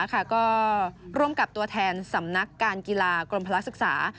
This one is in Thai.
ก็ร่วมกับตัวแทนสำนักการกีฬากรมพลักษึกษา